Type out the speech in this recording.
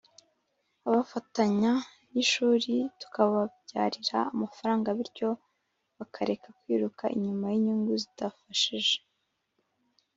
bafatanya n’ishuri tukababyarira amafaranga bityo bakareka kwiruka inyuma y’inyungu zidafashije.